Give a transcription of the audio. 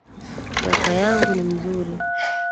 Kaka yangu ni mzuri.